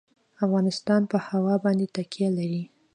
افغانستان په هوا باندې تکیه لري.